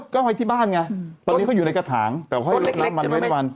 ก็ไว้ที่บ้านไงตอนนี้เขาอยู่ในกระถางแต่ว่าให้ลดน้ำมันไว้ในวัน